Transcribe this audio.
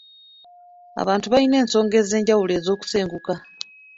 Abantu balina ensonga ez'enjawulo ez'okusenguka.